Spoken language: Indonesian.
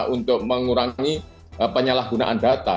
untuk mengurangi penyalahgunaan data